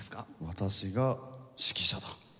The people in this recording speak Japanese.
「私が指揮者だ」。